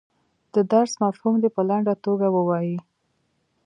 د درس مفهوم دې په لنډه توګه ووایي.